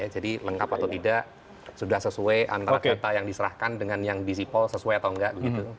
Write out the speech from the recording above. jadi lengkap atau tidak sudah sesuai antara kata yang diserahkan dengan yang di sipo sesuai atau enggak